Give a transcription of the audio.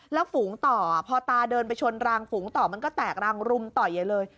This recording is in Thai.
แล้วฝูงต่อพอตาเดินไปชนรางฝูงต่อมันก็แตกรังรุมต่อยใหญ่เลย